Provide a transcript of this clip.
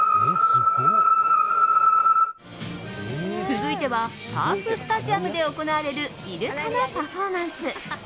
続いてはサーフスタジアムで行われるイルカのパフォーマンス。